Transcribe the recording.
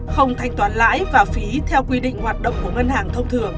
không thanh toán lãi và phí theo quy định hoạt động của ngân hàng thông thường